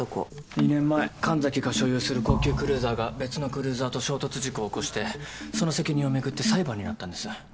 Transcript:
２年前神崎が所有する高級クルーザーが別のクルーザーと衝突事故を起こしてその責任を巡って裁判になったんです。